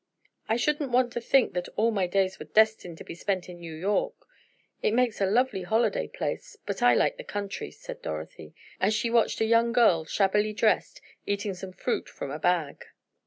"I shouldn't want to think that all my days were destined to be spent in New York. It makes a lovely holiday place, but I like the country," said Dorothy, as she watched a young girl, shabbily dressed, eating some fruit from a bag.